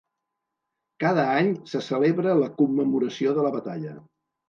Cada any se celebra la commemoració de la batalla.